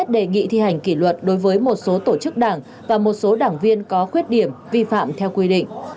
đề nghị thi hành kỷ luật đối với một số tổ chức đảng và một số đảng viên có khuyết điểm vi phạm theo quy định